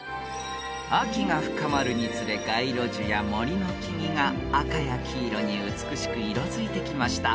［秋が深まるにつれ街路樹や森の木々が赤や黄色に美しく色づいてきました］